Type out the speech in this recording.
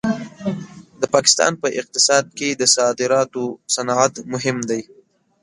د پاکستان په اقتصاد کې د صادراتو صنعت مهم دی.